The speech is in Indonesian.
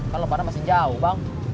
kan lebaran masih jauh bang